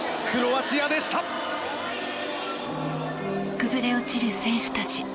崩れ落ちる選手たち。